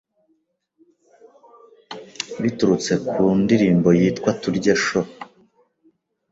biturutse ku ndirimbo yitwa Turye Show